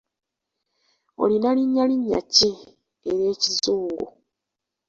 Olina linnya linnya ki ery'ekizungu?